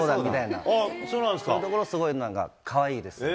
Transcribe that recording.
そういうところなんか、すごいかわいいです。